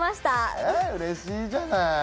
うれしいじゃない。